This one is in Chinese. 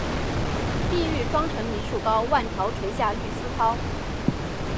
碧玉妆成一树高，万条垂下绿丝绦